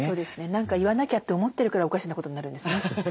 何か言わなきゃって思ってるからおかしなことになるんですね。